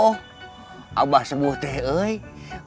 saya akan sebutnya